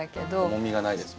重みがないですもんね。